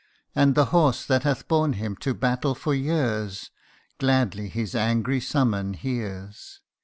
And the horse that hath borne him to battle for years, Gladly his angry summons hears.